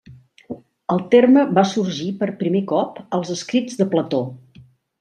El terme va sorgir per primer cop als escrits de Plató.